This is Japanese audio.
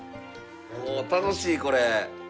おお楽しいこれ。